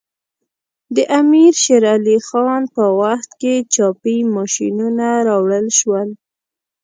د امیر شیر علی خان په وخت کې چاپي ماشینونه راوړل شول.